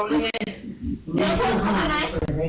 เข้าไปเลยไง